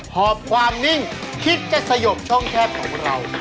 หอบความนิ่งคิดจะสยบช่องแคบของเรา